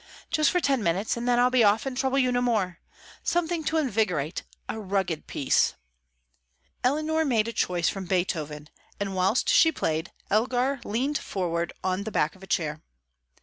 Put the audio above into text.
"Just for ten minutes; then I'll be off and trouble you no more. Something to invigorate! A rugged piece!" Eleanor made a choice from Beethoven, and, whilst she played, Elgar leant forward on the back of a chair.